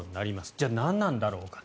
じゃあ、何なんだろうか。